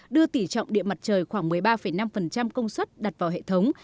đưa tỉ trọng điện mặt trời khoảng một mươi ba năm công suất đặt vào hệ thống